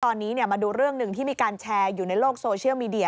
ตอนนี้มาดูเรื่องหนึ่งที่มีการแชร์อยู่ในโลกโซเชียลมีเดีย